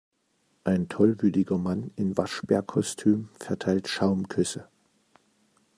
Ein tollwütiger Mann in Waschbärkostüm verteilt Schaumküsse.